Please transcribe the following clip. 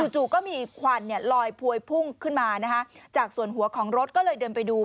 จู่ก็มีควันลอยพวยพุ่งขึ้นมาจากส่วนหัวของรถก็เลยเดินไปดู